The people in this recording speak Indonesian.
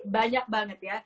banyak banget ya